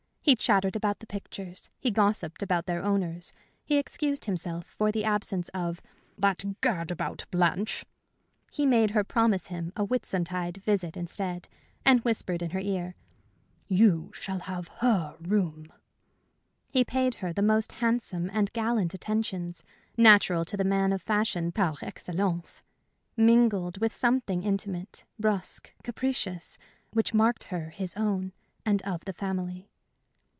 He chattered about the pictures; he gossiped about their owners; he excused himself for the absence of "that gad about Blanche"; he made her promise him a Whitsuntide visit instead, and whispered in her ear, "You shall have her room"; he paid her the most handsome and gallant attentions, natural to the man of fashion par excellence, mingled with something intimate, brusque, capricious, which marked her his own, and of the family.